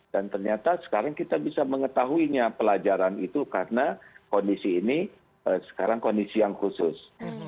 dan ternyata sekarang kita bisa mengetahuinya pelajaran itu karena kondisi ini sekarang kondisi yang khusus